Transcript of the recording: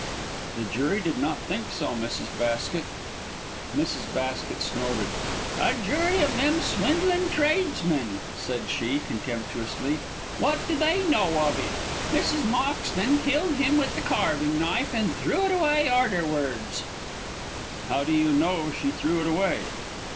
"The jury did not think so, Mrs. Basket!" Mrs. Basket snorted. "A jury of them swindling tradesmen," said she, contemptuously. "What do they know of it? Mrs. Moxton killed him with the carving knife, and threw it away arterwards. "How do you know she threw it away?"